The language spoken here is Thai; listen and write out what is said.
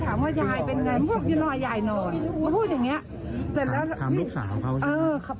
พวกยังไงพูดอย่างเงี้ยแต่แล้วถามลูกสาวของเขาเออ